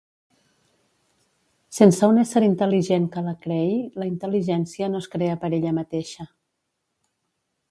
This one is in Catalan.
Sense un ésser intel·ligent que la creï, la intel·ligència no es crea per ella mateixa.